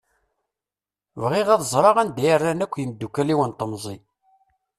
Bɣiɣ ad ẓṛeɣ anda i rran akk yemdukal-iw n temẓi.